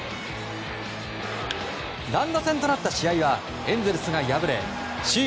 乱打戦となった試合はエンゼルスが破れ首位